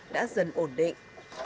đã dần ổn định